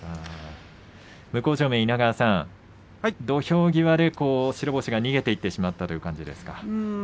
向正面の稲川さん土俵際で白星が逃げていってしまった感じですか。